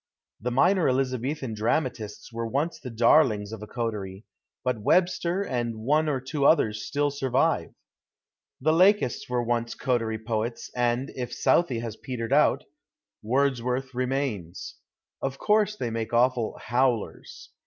The minor Elizabethan dramatists were once the darlings of a coterie, but Webster and one or two others still sur vive. The Lakists were once coterie poets, and, if Southey has petered out, Wordsworth remains. Of course the}' make awful "howlers."